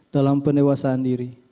dalam penewasaan diri